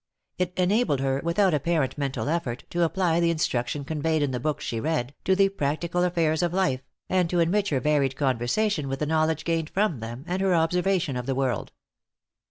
It enabled her, without apparent mental effort, to apply the instruction conveyed in the books she read, to the practical affairs of life, and to enrich her varied conversation with the knowledge gained from them, and her observation of the world.